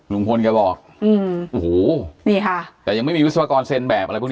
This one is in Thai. ลุงพลแกบอกอืมโอ้โหนี่ค่ะแต่ยังไม่มีวิศวกรเซ็นแบบอะไรพวกนี้